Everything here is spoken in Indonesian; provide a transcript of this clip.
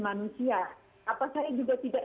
manusia apa saya juga tidak